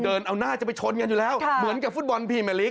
เดินเอาหน้าจะไปชนกันอยู่แล้วเหมือนกับฟุตบอลพรีเมอร์ลีก